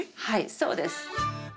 はいそうです。